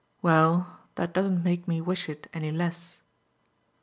"Well, that doesn't make me wish it any less."